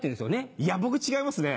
いや僕違いますね